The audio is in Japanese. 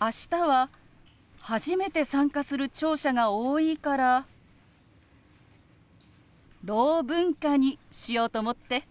明日は初めて参加する聴者が多いから「ろう文化」にしようと思って。